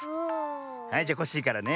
はいじゃコッシーからね。